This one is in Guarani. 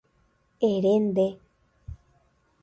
Ere nde.